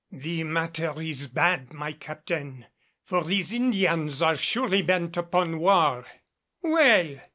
"The matter is bad, my Captain, for these Indians are surely bent upon war " "Well!"